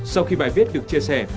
sau khi bài viết được chia sẻ